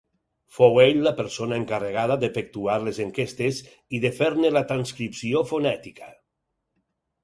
Fou ell la persona encarregada d'efectuar les enquestes i de fer-ne la transcripció fonètica.